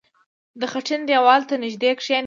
• د خټین دیوال ته نژدې کښېنه.